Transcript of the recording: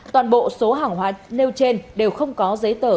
toàn bộ số hàng hóa nêu trên đều không có giấy tờ